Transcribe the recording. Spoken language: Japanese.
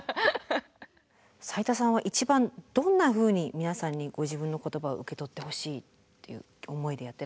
斉田さんは一番どんなふうに皆さんにご自分の言葉を受け取ってほしいっていう思いでやってらっしゃるんですか？